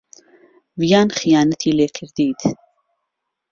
ڤیان خیانەتی لێ کردیت.